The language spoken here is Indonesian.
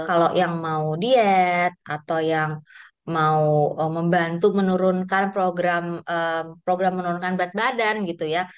kalau yang mau diet atau yang mau membantu menurunkan program menurunkan berat badan gitu ya